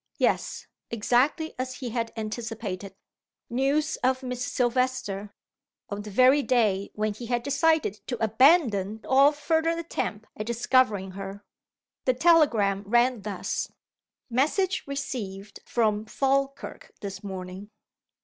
Yes! Exactly as he had anticipated! News of Miss Silvester, on the very day when he had decided to abandon all further attempt at discovering her. The telegram ran thus: "Message received from Falkirk this morning.